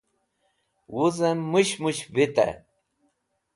Wuzem Mushmush Vitey